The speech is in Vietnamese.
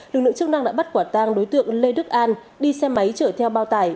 lực lượng chức năng đã bắt quả tang đối tượng lê đức an đi xe máy chở theo bao tải